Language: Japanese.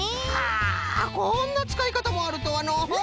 あこんなつかいかたもあるとはのう。